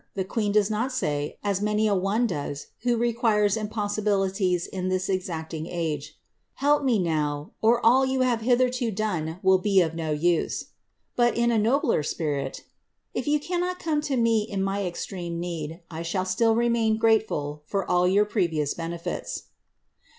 The queen does not say, as many a one does who requires impossibilities in this exacting age, ^ Help me now, or all you have hitherto done will be of no use." But, in a nobler spirit, ^ If you cannot come to me in my extreme need, I shall still remain grateful for all your previous benefits."